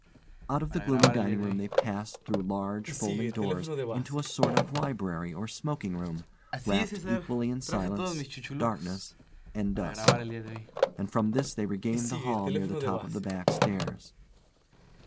Out of the gloomy dining room they passed through large folding doors into a sort of library or smoking room, wrapt equally in silence, darkness, and dust; and from this they regained the hall near the top of the back stairs.